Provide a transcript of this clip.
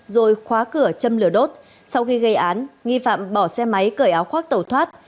rồi khóa cửa châm lửa đốt sau khi gây án nghi phạm bỏ xe máy cởi áo khoác tẩu thoát